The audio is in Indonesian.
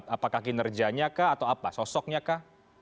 apakah kinerjanya kak atau apa sosoknya kak